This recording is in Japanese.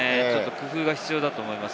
工夫が必要だと思います。